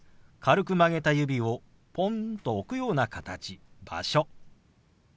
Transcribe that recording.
軽く曲げた指をポンと置くような形「場所」。